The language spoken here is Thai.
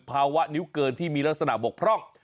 ภาวะนิ้วเกินที่มีลักษณะบกพร่อง